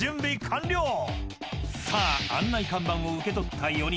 ［さあ案内看板を受け取った４人］